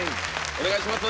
お願いします。